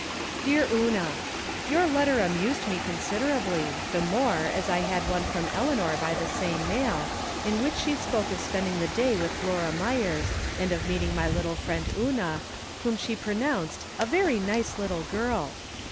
Dear Una : Your letter amused me considerably, the more as I had one from Eleanor by the same mail, in which she spoke of spending the day with Laura Myers, and of meeting my little friend Una, whom she pronounced " a very nice little girl."